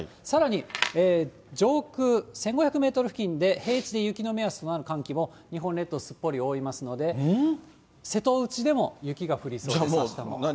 さらに、上空１５００メートル付近で、平地で雪の目安となる寒気も、日本列島、すっぽり覆いますので、瀬戸内でも雪が降りそうじゃあもう、何？